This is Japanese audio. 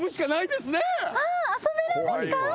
遊べるんですか？